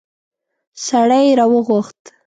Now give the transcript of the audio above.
سړی يې راوغوښت.